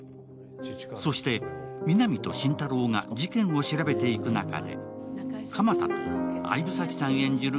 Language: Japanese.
そして皆実と心太朗が事件を調べていく中で鎌田と相武紗季さん演じる